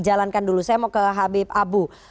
jalankan dulu saya mau ke habib abu